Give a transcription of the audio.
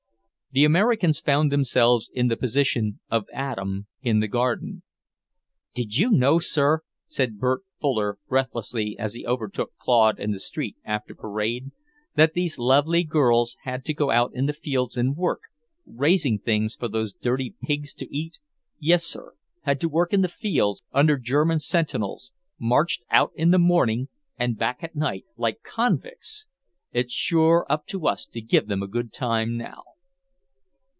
The Americans found themselves in the position of Adam in the garden. "Did you know, sir," said Bert Fuller breathlessly as he overtook Claude in the street after parade, "that these lovely girls had to go out in the fields and work, raising things for those dirty pigs to eat? Yes, sir, had to work in the fields, under German sentinels; marched out in the morning and back at night like convicts! It's sure up to us to give them a good time now."